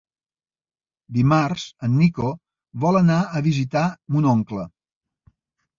Dimarts en Nico vol anar a visitar mon oncle.